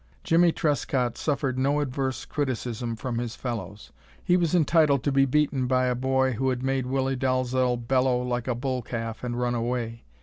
Jimmie Trescott suffered no adverse criticism from his fellows. He was entitled to be beaten by a boy who had made Willie Dalzel bellow like a bull calf and run away.